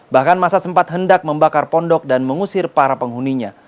bahkan masa sempat hendak membakar pondok dan mengusir para penghuninya